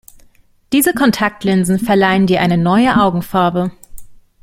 Diese Kontaktlinsen verleihen dir eine neue Augenfarbe.